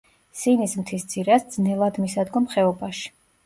სინის მთის ძირას ძნელადმისადგომ ხეობაში.